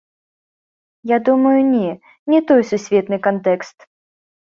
Я думаю, не, не той сусветны кантэкст.